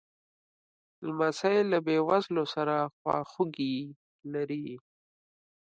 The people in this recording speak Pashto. لمسی له بېوزلو سره خواخوږي لري.